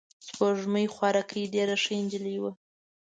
سپوږمۍ خوارکۍ ډېره ښه نجلۍ وه.